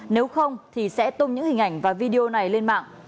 nếu không thì sẽ tung những hình ảnh và video này lên mạng